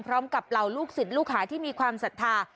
เหล่าลูกศิษย์ลูกหาที่มีความศรัทธา